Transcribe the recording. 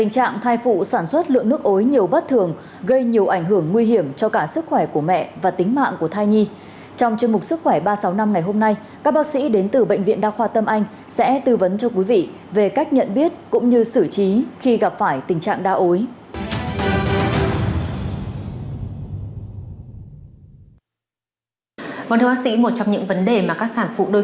các bác sĩ đến từ bệnh viện đa khoa tâm anh sẽ tư vấn cho quý vị về cách nhận biết cũng như sử trí khi gặp phải tình trạng đa ối